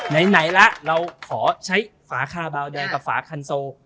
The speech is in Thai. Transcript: ไหนละเราขอใช้ฝาคาบาวแดงกับฝาคันโซ